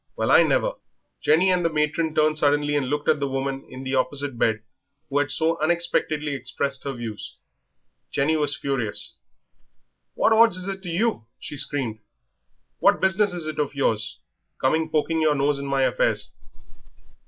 Well I never!" Jenny and the matron turned suddenly and looked at the woman in the opposite bed who had so unexpectedly expressed her views. Jenny was furious. "What odds is it to you?" she screamed; "what business is it of yours, coming poking your nose in my affairs?"